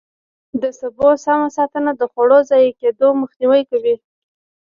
د سبو سمه ساتنه د خوړو ضایع کېدو مخنیوی کوي.